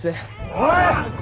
おい！